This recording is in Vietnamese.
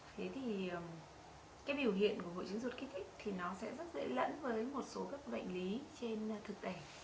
thế thì cái biểu hiện của hội chứng rột kích thích thì nó sẽ rất dễ lẫn với một số các bệnh lý trên thực tế